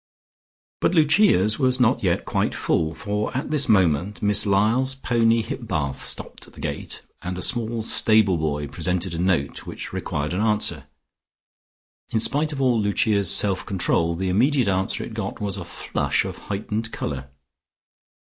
But Lucia's was not yet quite full, for at this moment Miss Lyall's pony hip bath stopped at the gate, and a small stableboy presented a note, which required an answer. In spite of all Lucia's self control, the immediate answer it got was a flush of heightened colour.